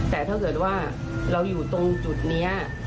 แต่ถ้าเกิดว่าเราอยู่ตรงจุดนี้